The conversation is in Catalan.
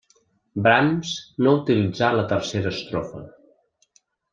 Brahms no utilitzà la tercera estrofa.